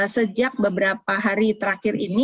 sejak beberapa hari terakhir ini